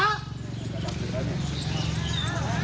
ไม่ใช้พระ